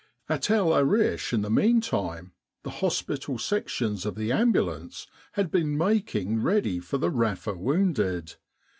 At El Arish, in the meantime, the hospital sec tions of the Ambulance had been making ready for the Rafa wounded.